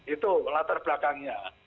itu latar belakangnya